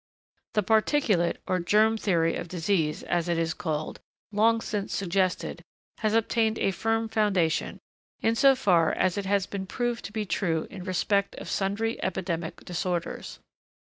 The 'particulate' or 'germ' theory of disease, as it is called, long since suggested, has obtained a firm foundation, in so far as it has been proved to be true in respect of sundry epidemic disorders.